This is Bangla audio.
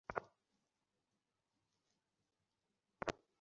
খেয়াল করলাম, তোমার ড্রিংক্স ফুরিয়ে গেছে।